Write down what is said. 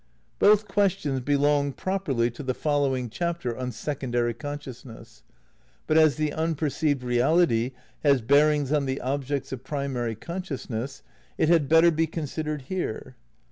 Both questions belong properly to the following IX EECONSTEUCTION OF IDEALISM 285 chapter on Secondary Consciousness. But as the un perceived reality has bearings on the objects of primary consciousness it had better be considered here.